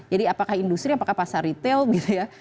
apakah industri apakah pasar retail gitu ya